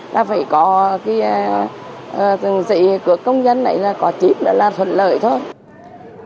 là phải có trường dịch của công dân này là có chip là thuận lợi thôi